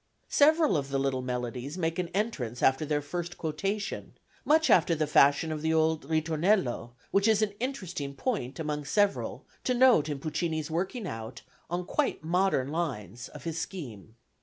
Several of the little melodies make an entrance after their first quotation much after the fashion of the old ritornello, which is an interesting point, among several, to note in Puccini's working out, on quite modern lines, of his scheme.